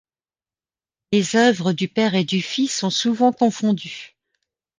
Les œuvres du père et du fils sont souvent confondues.